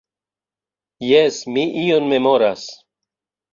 Jes, mi ion memoras.